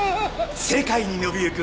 世界に伸びゆく